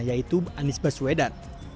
yaitu anies baswedan